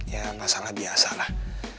ya masalah biasa lah